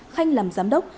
khanh làm giám đốc